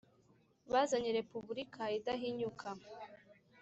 bazanye Repubulika idahinyuka.